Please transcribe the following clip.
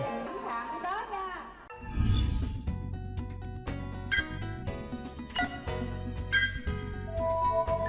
ngoại truyền thông tin